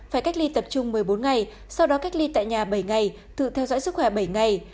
phải cách ly tập trung một mươi bốn ngày sau đó cách ly tại nhà bảy ngày tự theo dõi sức khỏe bảy ngày